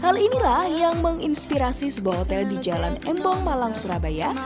hal inilah yang menginspirasi sebuah hotel di jalan embong malang surabaya